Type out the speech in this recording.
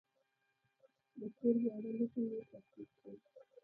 د کور زاړه لوښي مې ترتیب کړل.